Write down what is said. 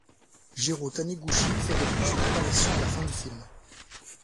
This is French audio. Jirō Taniguchi fait de plus une apparition à la fin du film.